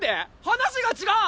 話が違う！